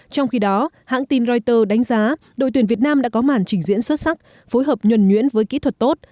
trong khi đó hãng tin reuters đánh giá đội tuyển việt nam đã có màn trình diễn xuất sắc phối hợp nhuẩn nhuyễn với kỹ thuật tốt